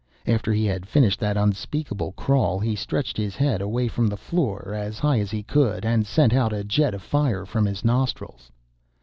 After he had finished that unspeakable crawl, he stretched his head away from the floor as high as he could, and sent out a jet of fire from his nostrils.